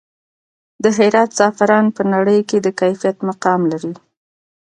د هرات زعفران په نړۍ کې د کیفیت مقام لري